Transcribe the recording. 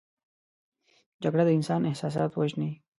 جګړه د انسان احساسات وژني